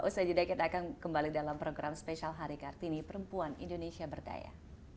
usai jeda kita akan kembali dalam program spesial hari kartini perempuan indonesia berdaya